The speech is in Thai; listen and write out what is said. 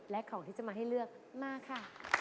และของที่จะมาให้เลือกมาค่ะ